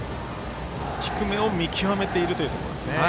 低めを見極めているということですね。